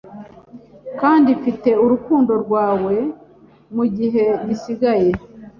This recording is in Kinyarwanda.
Kandi mfite urukundo rwawe mugihe gisigaye;